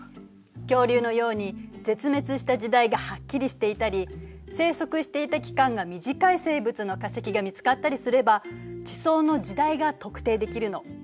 恐竜のように絶滅した時代がはっきりしていたり生息していた期間が短い生物の化石が見つかったりすれば地層の時代が特定できるの。